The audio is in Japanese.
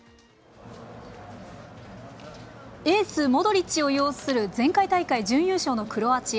エース、モドリッチを擁する前回大会準優勝のクロアチア。